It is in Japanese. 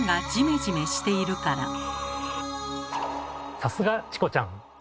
さすがチコちゃん。